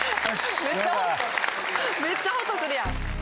めっちゃホッとするやん。